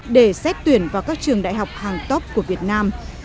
để xét tuyển vào các trường đại học hàng tốc của việt nam